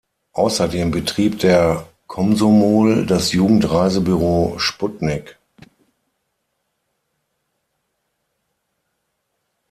Außerdem betrieb der Komsomol das Jugend-Reisebüro Sputnik.